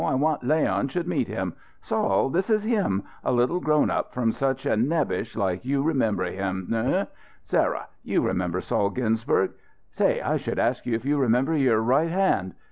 I want Leon should meet him. Sol, this is him a little grown up from such a Nebich like you remember him nu? Sarah, you remember Sol Ginsberg? Say I should ask you if you remember your right hand?